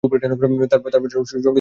তারপর সঙ্গীতের উপর অনেক কথা চলল।